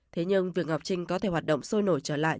thế nhưng việc ngọc trinh có thể hoạt động sôi nổi trở lại